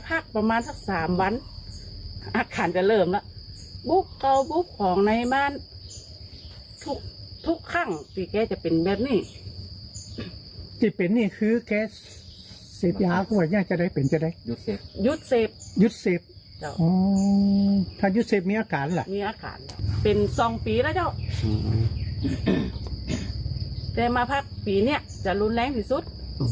แต่มาพักปีนี้จะรุนแรงที่สุดบ่อยข้างของที่สุด